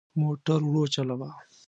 موټر ورو چلوه.